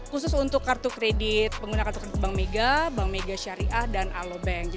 khusus untuk kartu kredit pengguna kartu kartu bank mega bank mega syariah dan alobank